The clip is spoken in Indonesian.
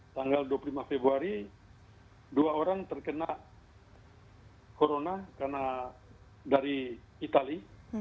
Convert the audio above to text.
tanggal dua puluh lima februari dua orang terkena corona karena dari itali